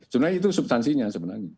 sebenarnya itu substansinya